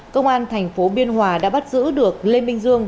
công an thành phố biên hòa đã bắt giữ được lê minh dương